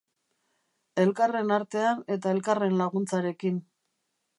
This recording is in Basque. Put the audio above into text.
Elkarren artean eta elkarren laguntzarekin.